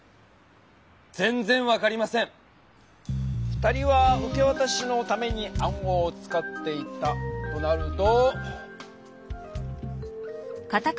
２人は受けわたしのために暗号を使っていたとなると。